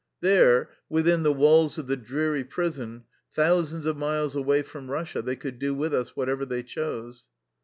There, within the walls of the dreary prison, thousands of miles away from Eussia, they could do with us whatever they chose.